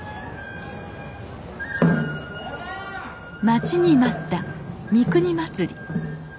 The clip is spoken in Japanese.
待ちに待った三国祭。